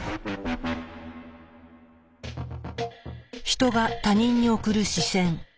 ヒトが他人に送る視線。